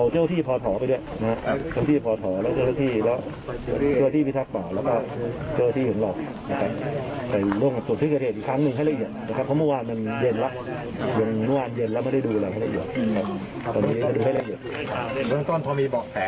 เจ้าที่หยุ่งหลอกลงส